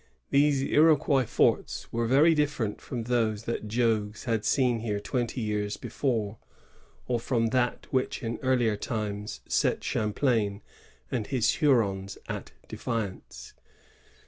These Iroquois forts were very different from those that Jogues had seen here twenty years before, or from that .which in earlier times set Champlain and his Hurons at defiance.